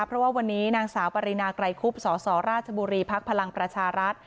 เพราะว่าวันนี้นางสาวปรินาไกรคุบสสราชบุรีภักดิ์พลังประชารัฐ